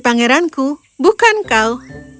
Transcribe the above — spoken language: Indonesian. pangeranku bukan kau